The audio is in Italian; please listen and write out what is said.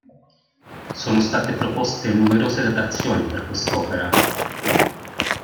Sono state proposte numerose datazioni per quest'opera.